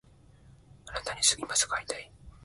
あなたに今すぐ会いたい